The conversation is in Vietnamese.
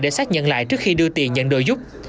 để xác nhận lại trước khi đưa tiền nhận đồ giúp